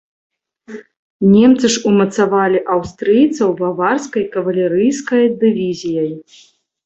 Немцы ж умацавалі аўстрыйцаў баварскай кавалерыйская дывізіяй.